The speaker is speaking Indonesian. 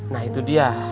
nah itu dia